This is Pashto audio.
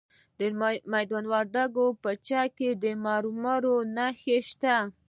د میدان وردګو په چک کې د مرمرو نښې شته.